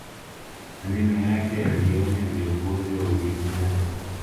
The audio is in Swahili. Maneno yake yalionya viongozi wa ujerumani